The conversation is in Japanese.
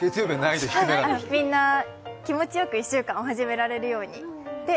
みんな気持ちよく１週間始められるように。